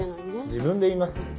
自分で言います？